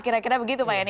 kira kira begitu pak yanni